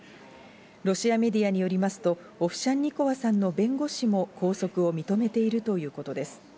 ロシアメディアによりますと、オフシャンニコワさんの弁護士も拘束を認めているということです。